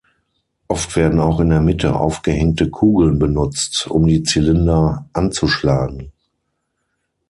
Oft werden auch in der Mitte aufgehängte Kugeln benutzt, um die Zylinder anzuschlagen.